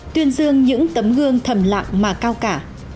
tiến dương những tấm gương thầm lạng mà cao cả